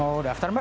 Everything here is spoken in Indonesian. mau daftar mbak